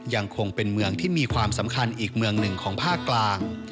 ยังคงเป็นเมืองที่มีความสำคัญอีกเมืองหนึ่งของภาคกลาง